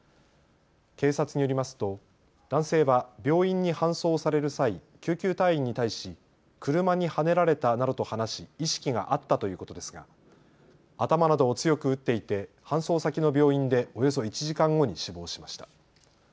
警察によりますと男性は病院に搬送される際、救急隊員に対し車にはねられたなどと話し意識があったということですが頭などを強く打っていて搬送先の病院でおよそ１時間後に死亡しました。